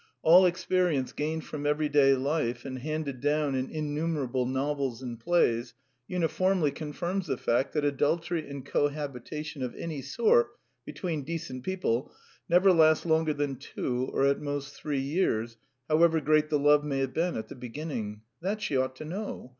All experience gained from everyday life and handed down in innumerable novels and plays, uniformly confirms the fact that adultery and cohabitation of any sort between decent people never lasts longer than two or at most three years, however great the love may have been at the beginning. That she ought to know.